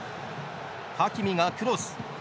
ハキミがクロス。